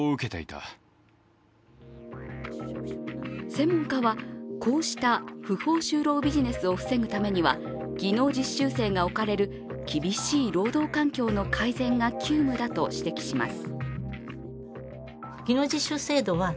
専門家は、こうした不法就労ビジネスを防ぐためには技能実習生が置かれる厳しい労働環境の改善が急務だと指摘します。